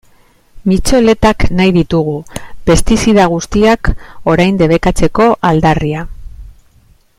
Mitxoletak nahi ditugu, pestizida guztiak orain debekatzeko aldarria.